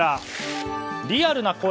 リアルな声